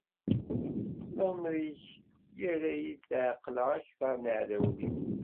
Lameṛ-ik irra-yi tɛeqqleɣ akter n yiɛdawen-iw.